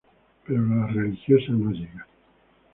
Pero la religiosa no llega.